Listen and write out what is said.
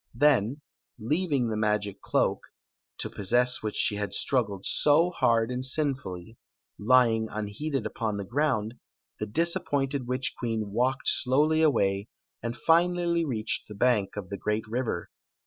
Then, leaving the magic cloak — to possess which she had struggled so hard and sinfully — lying un heeded upon the ground, the disappointed witch queen walked slowly away, and finally reached the bank o^the great river.